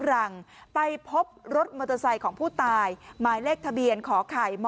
รังไปพบรถมอเตอร์ไซค์ของผู้ตายหมายเลขทะเบียนขอไข่ม๔